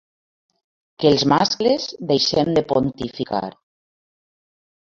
Que els mascles deixem de pontificar.